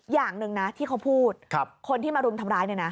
อย่างหนึ่งนะที่เขาพูดคนที่มารุมทำร้ายเนี่ยนะ